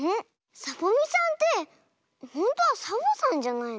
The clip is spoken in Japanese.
サボみさんってほんとはサボさんじゃないの？